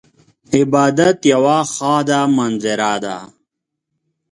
عبادت یوه خاضه منظره ده .